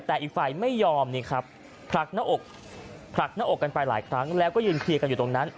แต่อีกฝ่ายไม่ยอมนี่ครับผลักหน้าอกผลักหน้าอกกันไปหลายครั้งแล้วก็ยืนเคลียร์กันอยู่ตรงนั้น